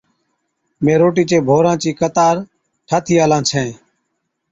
مين روٽِي چي ڀورا چِي قطار ٺاهٿِي آلا ڇَين،